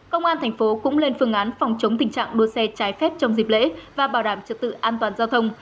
công an tp hcm cũng lên phương án phòng chống tình trạng đua xe trái phép trong dịp lễ và bảo đảm trực tự an toàn giao thông